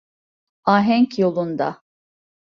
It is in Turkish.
Ahenk yolunda.